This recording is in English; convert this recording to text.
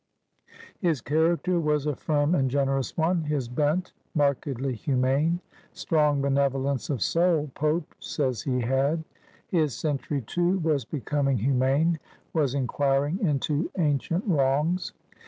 His diaracter was a firm and generous one; his bent, markedly himiane. Strong benevolence of soul, '' Pope says he had. His century, too, was becoming humane, was inquiring into ancioit wrongs.